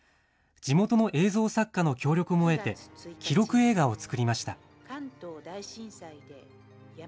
地元の映像作家の協力も得て記録映画を作りました。